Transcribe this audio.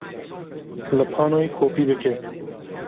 Li panoyê kopî bike.